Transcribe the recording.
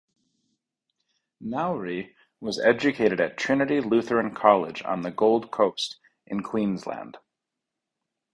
Naouri was educated at Trinity Lutheran College on the Gold Coast in Queensland.